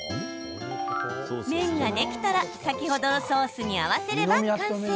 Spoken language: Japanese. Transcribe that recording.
麺ができたら先ほどのソースに合わせれば完成。